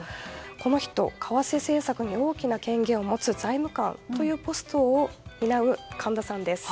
この人、為替政策に大きな権限を持つ財務官というポストを担う神田さんです。